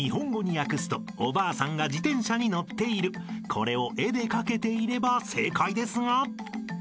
［これを絵で描けていれば正解ですが］